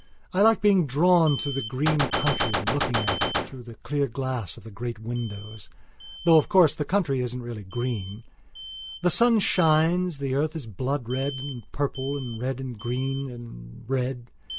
I like being drawn through the green country and looking at it through the clear glass of the great windows. Though, of course, the country isn't really green. The sun shines, the earth is blood red and purple and red and green and red.